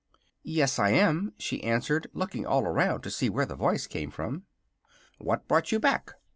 "Yes, I am," she answered, looking all around to see where the voice came from. "What brought you back?"